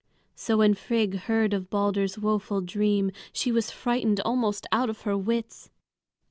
So when Frigg heard of Balder's woeful dream, she was frightened almost out of her wits.